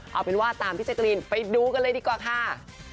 เอาเป็นว่าตามพี่แจ๊กรีนไปดูกันเลยดีกว่าค่ะ